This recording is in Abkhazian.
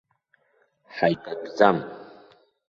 Ҳаибатәӡам.